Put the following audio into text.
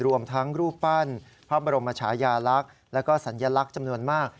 รวมทั้งรูปปั้นพระบรมชายาลักษณ์และก็สัญลักษณ์จำนวนมาก